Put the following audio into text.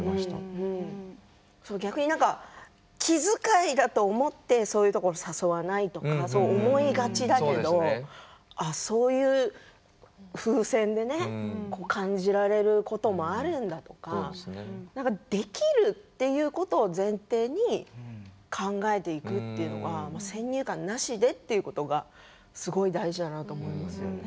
逆に気遣いだと思ってそういうところを誘わないとか思いがちだけどそういう風船で感じられることもあるんだとかできるということを前提に考えていくというのが先入観なしでということがすごい大事だなと思います。